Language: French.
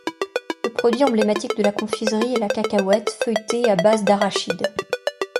Le produit emblématique de la confiserie est la Cacahuète ,Feuilleté à base d’arachide.